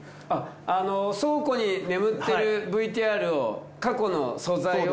あの倉庫に眠ってるＶＴＲを過去の素材を。